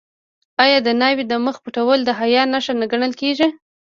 آیا د ناوې د مخ پټول د حیا نښه نه ګڼل کیږي؟